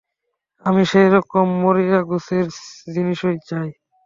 আমি সেইরকম মরীয়াগোছের জিনিসই চাই।